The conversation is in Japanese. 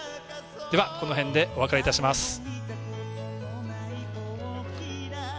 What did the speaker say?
では、この辺でお別れいたします。